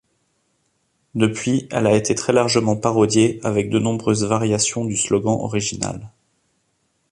Depuis, elle a été très largement parodiée avec de nombreuses variations du slogan original.